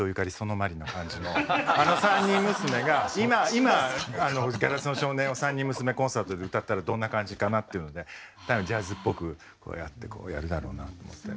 まりな感じのあの３人娘が今「硝子の少年」を３人娘コンサートで歌ったらどんな感じかなっていうのでジャズっぽくこうやってこうやるだろうなと思って。